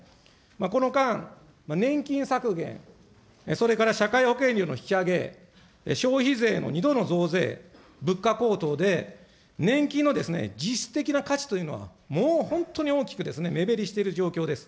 この間、年金削減、それから社会保険料の引き上げ、消費税の２度の増税、物価高騰で、年金の実質的な価値というのは、もう本当に大きく目減りしている状況です。